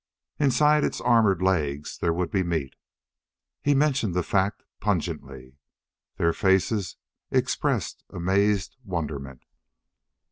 Inside its armored legs there would be meat. He mentioned the fact, pungently. Their faces expressed amazed wonderment.